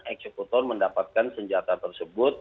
eksekutor mendapatkan senjata tersebut